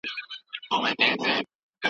سوپرنووا انفجارونه د لمریز نظام سره اغېزه کوي.